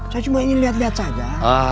saya cuma ingin lihat lihat saja